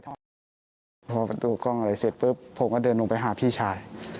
พอประตูกล้องอะไรเสร็จปุ๊บผมก็เดินลงไปหาพี่ชาย